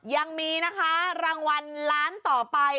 ยังมีนะคะรางวัลล้านต่อไป